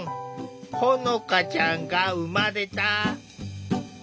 ほのかちゃんが生まれた。